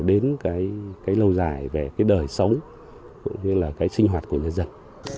đến cái lâu dài về cái đời sống cũng như là cái sinh hoạt của nhân dân